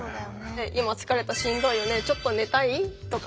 「今疲れたしんどいよねちょっと寝たい？」とか。